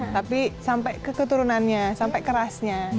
tapi sampai ke keturunannya sampai ke rasnya